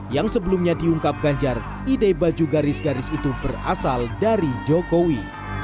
yang sebelumnya diungkap ganjar ide baju garis garis itu berasal dari jokowi